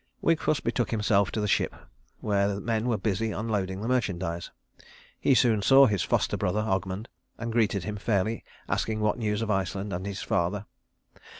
Wigfus betook himself to the ship where men were busy unloading the merchandise. He soon saw his foster brother Ogmund, and greeted him fairly, asking what news of Iceland and his father.